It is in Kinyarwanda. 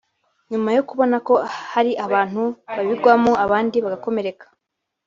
nyuma yo kubona ko hari abantu babigwamo abandi bagakomereka